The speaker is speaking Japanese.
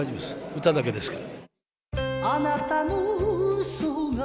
歌だけですから。